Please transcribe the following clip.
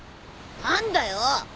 何だよ！